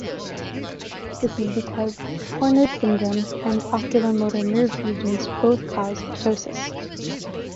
This is because Horner's syndrome and oculomotor nerve lesions both cause ptosis.